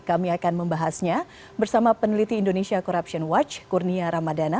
kami akan membahasnya bersama peneliti indonesia corruption watch kurnia ramadana